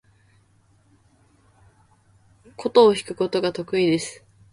箏を弾くことが得意です。